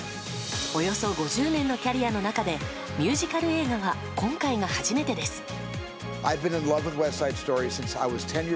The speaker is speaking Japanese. およそ５０年のキャリアの中でミュージカル映画は今回が初めてです。